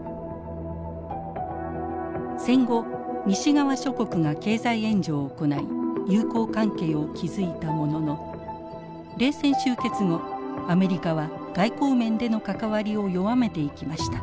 戦後西側諸国が経済援助を行い友好関係を築いたものの冷戦終結後アメリカは外交面での関わりを弱めていきました。